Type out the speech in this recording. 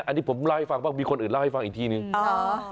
อันนี้ผมเล่าให้ฟังบ้างมีคนอื่นเล่าให้ฟังอีกทีนึง